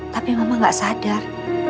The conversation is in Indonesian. tapi mama nggak sadar